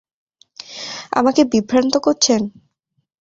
আমাকে বিভ্রান্ত করছেন?